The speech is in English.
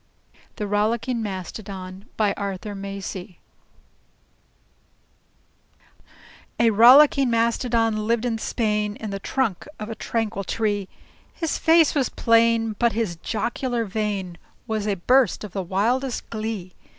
THE ROLLICKING MASTODON A rollicking Mastodon lived in Spain, In the trunk of a Tranquil Tree. His face was plain, but his jocular vein Was a burst of the wildest glee.